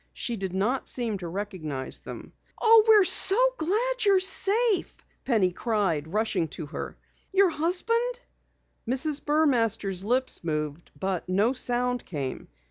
She did not seem to recognize them. "Oh, we're so glad you're safe!" Penny cried, rushing to her. "Your husband?" Mrs. Burmaster's lips moved, but no sound came.